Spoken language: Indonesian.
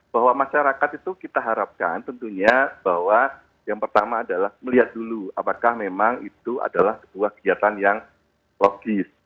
bahwa masyarakat itu kita harapkan tentunya bahwa yang pertama adalah melihat dulu apakah memang itu adalah sebuah kegiatan yang logis